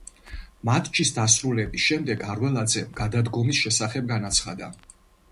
მატჩის დასრულების შემდეგ არველაძემ გადადგომის შესახებ განაცხადა.